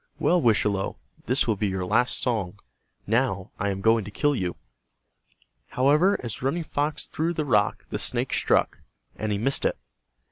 Well, Wischalowe, this will be your last song. Now I am going to kill you." However, as Running Fox threw the rock the snake struck, and he missed it.